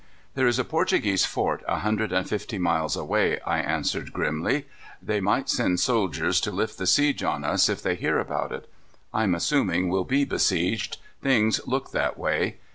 "There is a Portuguese fort a hundred and fifty miles away," I answered grimly. "They might send soldiers to lift the siege on us if they hear about it. I'm assuming we'll be besieged. Things look that way.